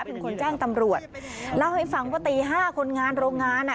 เป็นคนแจ้งตำรวจเล่าให้ฟังว่าตีห้าคนงานโรงงานอ่ะ